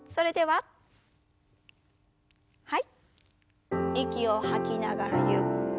はい。